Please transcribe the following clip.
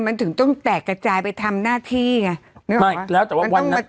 มันถึงต้องแตกกระจายไปทำหน้าที่ไงไม่แล้วแต่ว่าวันนั้น